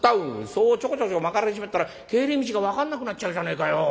そうちょこちょこ曲がられちまったら帰り道が分かんなくなっちゃうじゃねえかよ。